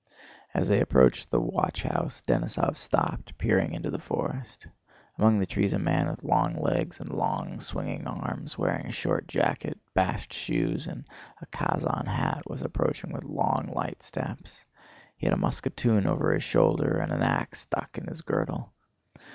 As they approached the watchhouse Denísov stopped, peering into the forest. Among the trees a man with long legs and long, swinging arms, wearing a short jacket, bast shoes, and a Kazán hat, was approaching with long, light steps. He had a musketoon over his shoulder and an ax stuck in his girdle.